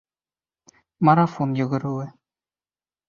Марафон йүгереүе